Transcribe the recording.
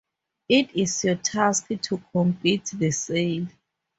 It is your task to complete the sale.